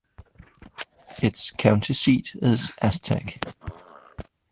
Its county seat is Aztec.